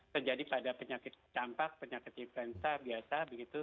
penyakit infeksi penyakit tampak penyakit influenza biasa